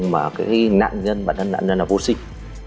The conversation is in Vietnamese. mà cái nạn nhân bản thân nạn nhân là vô sinh